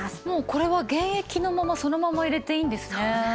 もうこれは原液のままそのまま入れていいんですね。